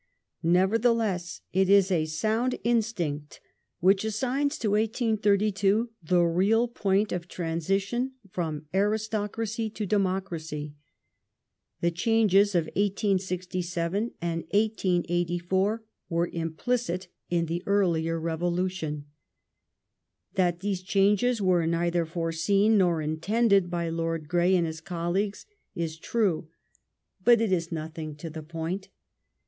Nevertheless, it is a sound instinct wliicfe assigns to 1832 the real point of transition from Aristocracy to Democracy. The changes of 1867 and 1884 were implicit in the earlier revolution. That these changes were neither foreseen nor intended by Lord Grey and his colleagues is true, but it is nothing to the point.